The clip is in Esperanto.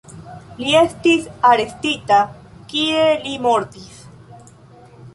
Li estis arestita, kie li mortis.